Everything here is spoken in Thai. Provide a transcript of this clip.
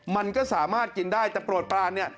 มันก็สามารถกินได้แต่โปรดปลานเนี่ย